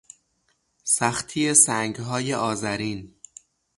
سختی سنگهای آذرین